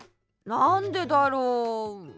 なんでだろう。